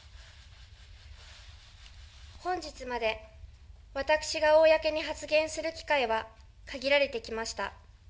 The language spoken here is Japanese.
本日まで、私が公に発言する機会は限られてきました。